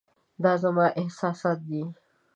دا زما احساسات دي .